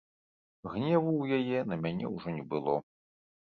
Гневу ў яе на мяне ўжо не было.